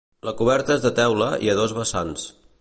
La coberta és de teula i a dos vessants.